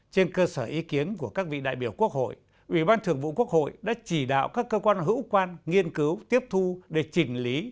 trên cơ sở ý kiến của các vị đại biểu quốc hội ủy ban thường vụ quốc hội đã chỉ đạo các cơ quan hữu quan nghiên cứu tiếp thu để chỉnh lý